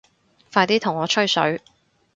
快啲同我吹水